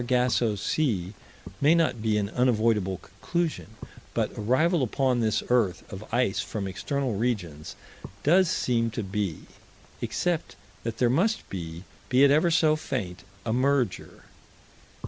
Our Super Sargasso Sea may not be an unavoidable conclusion, but arrival upon this earth of ice from external regions does seem to be except that there must be, be it ever so faint, a merger.